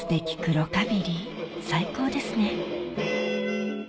ロカビリー最高ですね